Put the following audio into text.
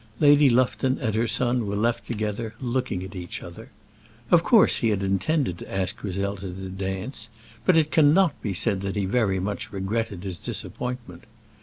Lady Lufton and her son were left together looking at each other. Of course he had intended to ask Griselda to dance, but it cannot be said that he very much regretted his disappointment.